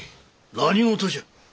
何事じゃ？